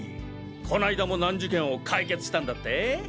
こないだも難事件を解決したんだって？